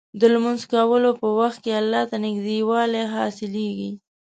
د لمونځ کولو په وخت کې الله ته نږدېوالی حاصلېږي.